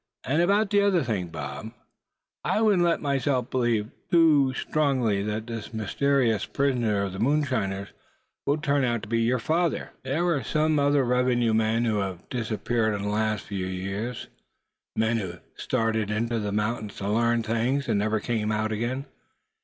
"And about the other thing, Bob, I wouldn't let myself believe too strongly that this mysterious prisoner of the moonshiners will turn out to be your father. There were some other revenue men who have disappeared in the last few years, men who started into the mountains to learn things, and never came out again.